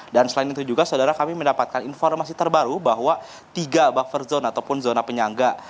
dan selain itu juga saudara kami mendapatkan informasi terbaru bahwa tiga buffer zone ataupun zona penyangga